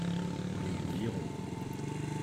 Nous, nous lirons.